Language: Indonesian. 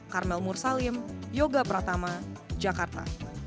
karmel mursalim yoga pratama jakarta